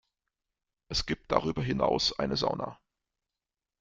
Es gibt darüber hinaus eine Sauna.